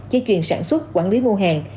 chế chuyển sản xuất quản lý mua hàng